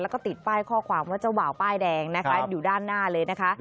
แล้วก็ติดป้ายข้อความว่าเจ้าบ่าวป้ายแดงนะคะอยู่ด้านหน้าเลยนะคะ